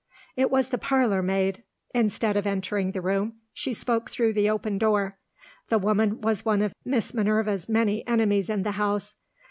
It was the parlour maid. Instead of entering the room, she spoke through the open door. The woman was one of Miss Minerva's many enemies in the house.